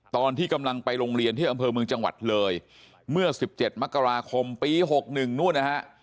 ตอนที่กำลังไปโรงเรียนที่อำเภอเมืองจังหวัดเลยเมื่อ๑๗มกราคมปี๖๑นู่นนะฮะ